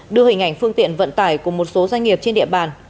đưa hình ảnh phương tiện vận tải của một số doanh nghiệp trên địa bàn